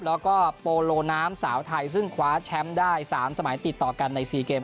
แล้วก็โปโลน้ำสาวไทยซึ่งคว้าแชมป์ได้๓สมัยติดต่อกันใน๔เกม